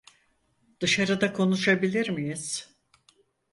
Dışarıda konuşabilir miyiz?